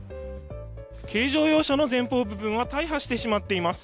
軽乗用車の前方部分は大破してしまっています。